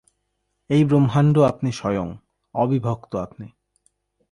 এই ব্রহ্মাণ্ড আপনি স্বয়ং, অবিভক্ত আপনি।